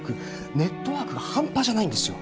ネットワークがハンパじゃないんですよ